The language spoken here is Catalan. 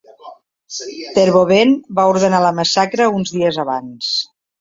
Terboven va ordenar la massacre uns dies abans.